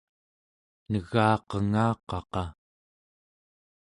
negaqengaqaqa